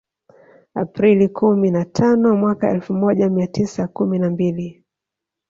Aprili kumi na tano mwaka elfu moja mia tisa kumi na mbili